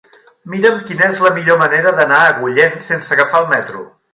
Mira'm quina és la millor manera d'anar a Agullent sense agafar el metro.